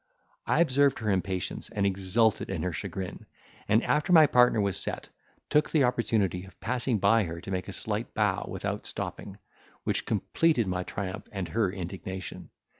I observed her impatience, and exulted in her chagrin; and after my partner was set, took the opportunity of passing by her to make a slight bow without stopping, which completed my triumph and her indignation.